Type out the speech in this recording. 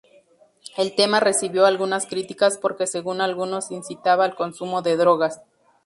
El tema recibió algunas críticas porque según algunos incitaba al consumo de drogas.